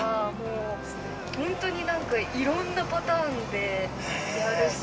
ほんとにいろんなパターンでやるし。